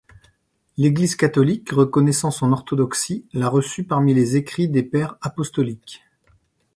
L'Église catholique, reconnaissant son orthodoxie, l'a reçue parmi les écrits des Pères apostoliques.